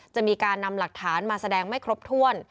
จะมีการนำหลักฐานมาแสดงไม่ครบถ้วน